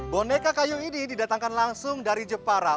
boneka kayu ini didatangkan langsung dari jepara